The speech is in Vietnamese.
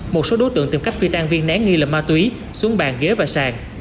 một số đối tượng tìm cách phi tan viên nén nghi lẩm ma túy xuống bàn ghế và sàn